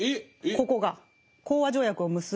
ここが講和条約を結ぶ。